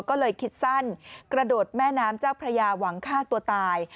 ก็เลยคิดสั้นกระโดดแม่น้ำเจ้าพระยาหวังฆ่าตัวตาย